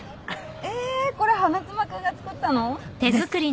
えこれ花妻君が作ったの？です。